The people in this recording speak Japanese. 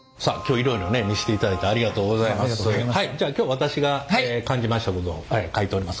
はいじゃあ今日私が感じましたことを書いております。